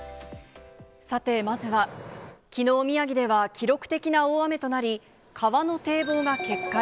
さて、まずはきのう宮城では記録的な大雨となり、川の堤防が決壊。